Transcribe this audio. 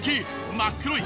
真っ黒い